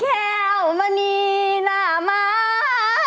แก้วมณีหน้าม้า